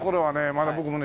まだ僕もね